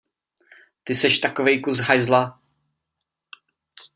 Ty seš takovej kus hajzla!